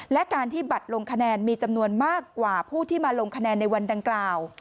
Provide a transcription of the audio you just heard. และการที่บัตรลงคะแนนมีจำนวนมากกว่าผู้ที่มาลงคะแนนในวันดังกล่าว